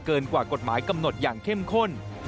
กว่ากฎหมายกำหนดอย่างเข้มข้น